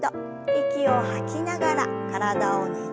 息を吐きながら体をねじって。